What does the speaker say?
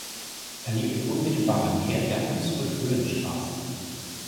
Er liegt in unmittelbarer Nähe der Hunsrückhöhenstraße.